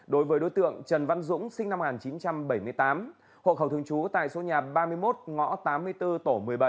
đối với đối tượng trần văn dũng sinh năm một nghìn chín trăm bảy mươi tám hộ khẩu thường trú tại số nhà ba mươi một ngõ tám mươi bốn tổ một mươi bảy